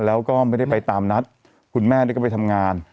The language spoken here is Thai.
แล้วก็ไม่ได้ไปตามนัดคุณแม่ก็ไปทำงาน